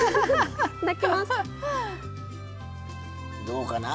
どうかな？